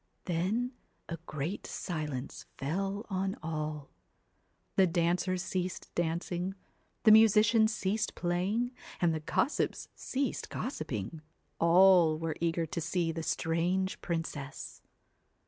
Then a great silence fell on all. The dancers ceased dancing, the musicians ceased playing, and the gossips ceased gossiping, all were eager to see the strange princess.